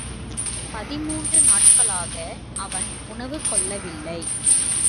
பதின்மூன்று நாட்களாக அவன் உணவுகொள்ளவில்லை.